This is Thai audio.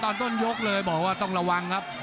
ตอนต้นยกเลยบอกว่าต้องระวังครับ